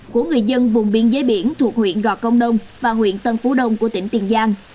của người dân vùng biên giới biển thuộc huyện gò công đông và huyện tân phú đông của tỉnh tiền giang